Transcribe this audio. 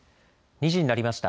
２時になりました。